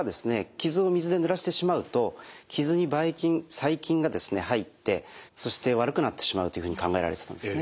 傷を水でぬらしてしまうと傷にばい菌細菌が入ってそして悪くなってしまうというふうに考えられてたんですね。